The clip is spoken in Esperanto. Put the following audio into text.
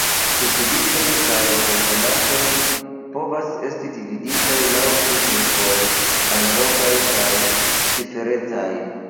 Cirkvitoj kaj komponantoj povas esti dividitaj laŭ du grupoj: analogaj kaj ciferecaj.